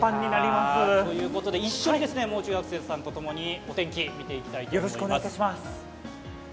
一緒にもう中学生さんと一緒にお天気見ていきたいと思います。